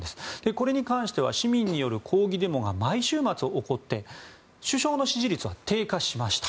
これに関しては市民による抗議デモが毎週末起こって首相の支持率は低下しました。